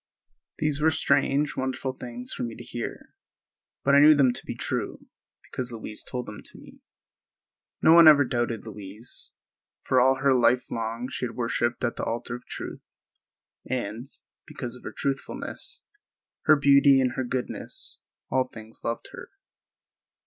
These were strange, wonderful things for me to hear, but I knew them to be true, because Louise told them to me. No one ever doubted Louise, for all her life long she had worshiped at the altar of truth, and, because of her truthfulness, her beauty and her goodness, all things loved her.